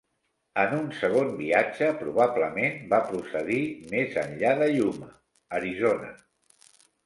En un segon viatge, probablement va procedir més enllà de Yuma, Arizona.